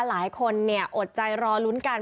หลายคนอดใจรอลุ้นกัน